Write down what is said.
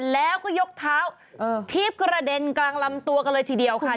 แล้วก็ยกเท้าทีบกระเด็นกลางลำตัวกันเลยทีเดียวค่ะ